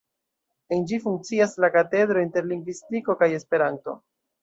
En ĝi funkcias la Katedro Interlingvistiko kaj Esperanto.